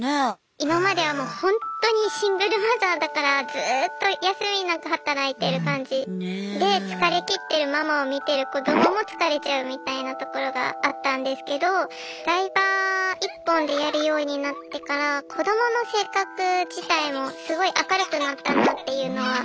今まではもうほんとにシングルマザーだからずっと休みなく働いてる感じ。で疲れ切ってるママを見てる子どもも疲れちゃうみたいなところがあったんですけどライバー１本でやるようになってから子どもの性格自体もすごい明るくなったなっていうのは感じます。